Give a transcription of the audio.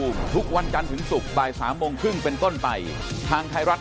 มันหยุดหรือเปล่า